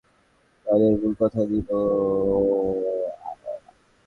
গানের মূল কথাই ছিল বিশ্বের মানুষের কাছে বাংলাদেশের মানুষের পাশে দাঁড়ানোর আহ্বান।